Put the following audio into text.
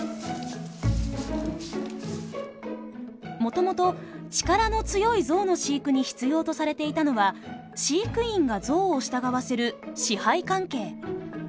もともと力の強いゾウの飼育に必要とされていたのは飼育員がゾウを従わせる支配関係。